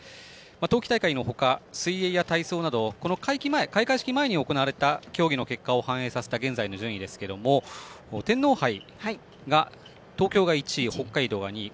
冬季大会の他、水泳や体操など開会式前に行われた競技の結果を反映させた現在の順位ですが天皇杯が東京が、１位北海道、２位。